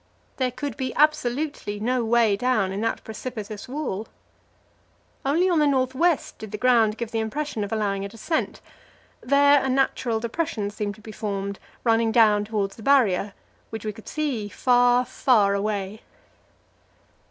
There could be absolutely no way down in that precipitous wall. Only on the north west did the ground give the impression of allowing a descent; there a natural depression seemed to be formed, running down towards the Barrier, which we could see far, far away.